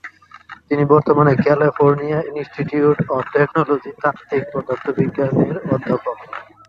তিনি বর্তমানে California Institute of টেকনোলজিতে তাত্ত্বিক পদার্থবিজ্ঞানের অধ্যাপক।